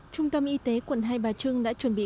trung tâm y tế quận hai bà trưng đã chuẩn bị